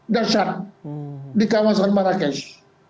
dersat di kawasan marrakesh